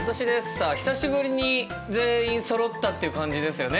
さあ久しぶりに全員そろったっていう感じですよね。